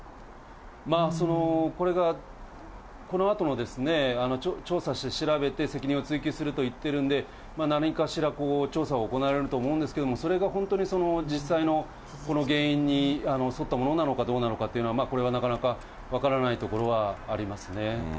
これが、このあと調査して調べて責任を追及すると言っているんで、何かしら調査は行われると思うんですけれども、それが本当にその実際の原因に沿ったものなのかどうなのかというのは、これはなかなか分からないところはありますね。